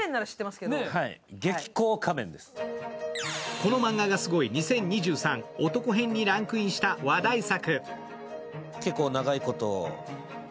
このマンガがすごい２０２３年男編にランクインした話題作。